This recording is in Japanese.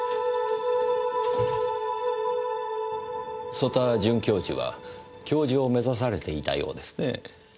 曽田准教授は教授を目指されていたようですね。